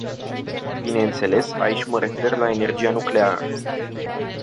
Bineînțeles, aici mă refer la energia nucleară.